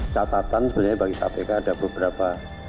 catatan sebenarnya bagi kpk ada beberapa